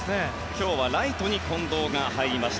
今日はライトに近藤が入りました。